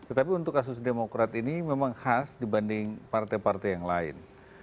tetapi untuk kasus demokrat ini memang khas dibanding partai partai yang lain